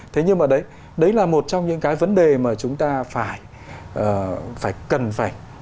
thế nhưng mà đấy đấy là một trong những cái vấn đề mà chúng ta phải cần phải